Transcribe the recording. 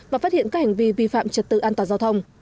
và phát hiện các hành vi vi phạm trật tự an toàn giao thông